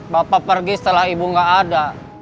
bapak pergi setelah ibu nggak ada